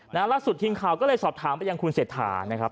ณลักษณ์สุดทิ้งข่าวก็เลยสอบถามบัญญาณคุณเศรษฐานะครับ